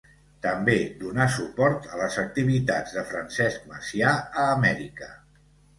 També donà suport les activitats de Francesc Macià a Amèrica.